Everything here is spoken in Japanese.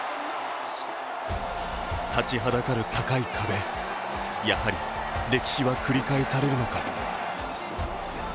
立ちはだかる高い壁、やはり歴史は繰り返されるのか。